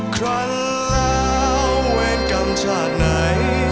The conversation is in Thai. ครั้นแล้วเว้นกำชาติไหน